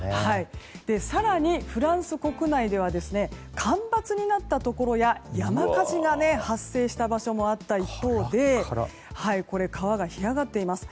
更に、フランス国内では干ばつになったところや山火事が発生した場所もあった一方でこれ、川が干上がっています。